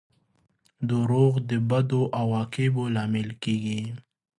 • دروغ د بدو عواقبو لامل کیږي.